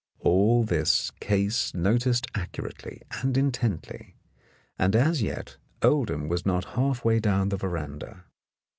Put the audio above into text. All this Case noticed accurately and intently, and, as yet, Oldham was not half way down the veranda.